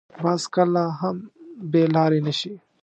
باز کله هم بې لارې نه شي